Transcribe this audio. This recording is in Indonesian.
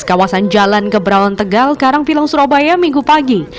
kawasan jalan keberawan tegal karangpilang surabaya minggu pagi